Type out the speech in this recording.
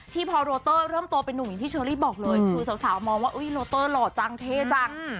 พอโรเตอร์เริ่มโตเป็นนุ่มอย่างที่เชอรี่บอกเลยคือสาวมองว่าโลเตอร์หล่อจังเท่จัง